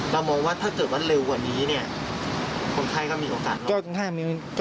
มองว่าถ้าเกิดว่าเร็วกว่านี้เนี่ยคนไข้ก็มีโอกาส